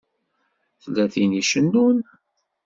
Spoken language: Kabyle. Tella tin i icennun.